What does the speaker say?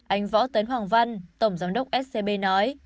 anh võ tấn hoàng văn tổng giám đốc scb nói